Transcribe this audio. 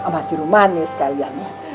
masih rumah nih sekalian